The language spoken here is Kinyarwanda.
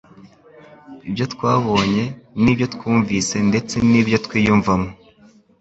ibyo twabonye, n'ibyo twumvise ndetse n'ibyo twiyumvamo.